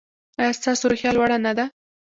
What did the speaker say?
ایا ستاسو روحیه لوړه نه ده؟